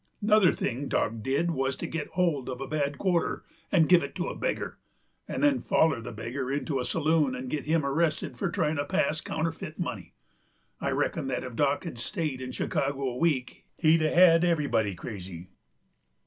'Nuther thing Dock did wuz to git hold uv a bad quarter 'nd give it to a beggar, 'nd then foller the beggar into a saloon 'nd git him arrested for tryin' to pass counterf'it money. I reckon that if Dock had stayed in Chicago a week he'd have had everybody crazy.